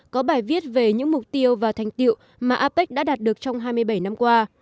có bài viết về những mục tiêu và thành tiệu mà apec đã đạt được trong hai mươi bảy năm qua